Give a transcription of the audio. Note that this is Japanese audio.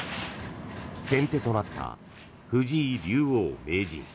先手となった藤井竜王・名人。